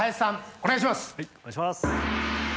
お願いします。